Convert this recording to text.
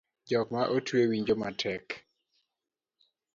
Jok ma otwe winjo matek